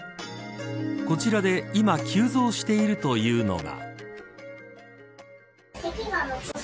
こちらで今急増しているというのが。